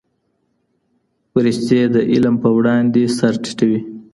پرښتې د علم په وړاندې سر ټیټوي.